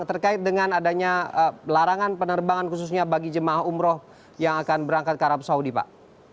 terkait dengan adanya larangan penerbangan khususnya bagi jemaah umroh yang akan berangkat ke arab saudi pak